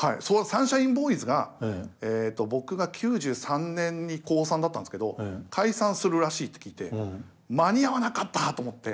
「サンシャインボーイズ」がえと僕が９３年に高３だったんですけど解散するらしいって聞いて間に合わなかったと思って。